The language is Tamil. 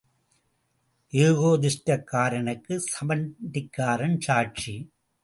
ஏகோதிஷ்டக் காரனுக்குச் சபிண்டிக்காரன் சாட்சி.